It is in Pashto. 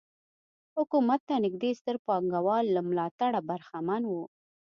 حکومت ته نږدې ستر پانګوال له ملاتړه برخمن وو.